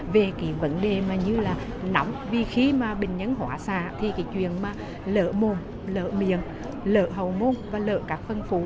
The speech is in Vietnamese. vấn đề như là nóng vì khi mà bệnh nhân hóa sạch thì cái chuyện mà lỡ mồm lỡ miệng lỡ hầu mồm và lỡ các phân phụ